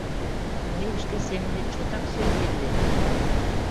— Мыйым шке семынет чотак сӧйгет вет?